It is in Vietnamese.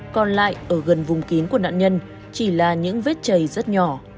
còn lại ở gần vùng kín của nạn nhân chỉ là những vết chảy rất nhỏ